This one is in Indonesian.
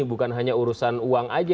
bukan hanya urusan uang aja